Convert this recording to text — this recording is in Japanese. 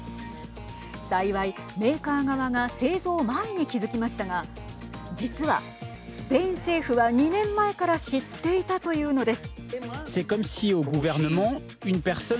幸い、メーカー側が製造前に気付きましたが実はスペイン政府は２年前から知っていたというのです。